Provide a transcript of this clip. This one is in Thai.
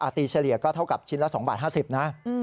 ตีเฉลี่ยก็เท่ากับชิ้นละ๒บาท๕๐นะ